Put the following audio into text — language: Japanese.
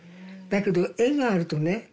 だけど絵があるとね